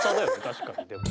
確かにでも。